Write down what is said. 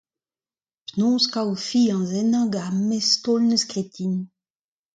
Penaos kaout fiziañs ennañ gant ar mestaol en deus graet din ?